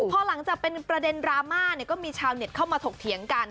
พอหลังจากเป็นประเด็นดราม่าเนี่ยก็มีชาวเน็ตเข้ามาถกเถียงกัน